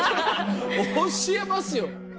教えますよ！